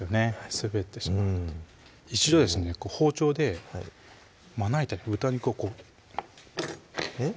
滑ってしまうのでうん一度ですね包丁でまな板に豚肉をこうえっ？